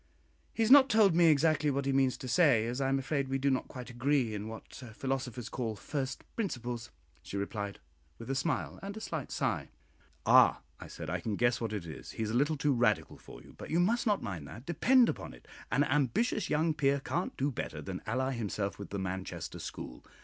"He has not told me exactly what he means to say, as I am afraid we do not quite agree in what philosophers call 'first principles,'" she replied, with a smile and a slight sigh. "Ah!" I said, "I can guess what it is; he is a little too Radical for you, but you must not mind that; depend upon it, an ambitious young peer can't do better than ally himself with the Manchester school.